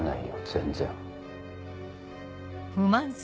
全然。